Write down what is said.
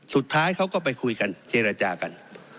สุดท้ายเขาก็ไปคุยกันเจรจากัน